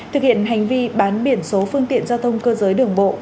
thực hiện hành vi bán biển số phương tiện giao thông cơ giới đường bộ